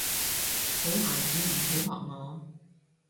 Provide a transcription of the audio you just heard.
好孩子唔好學我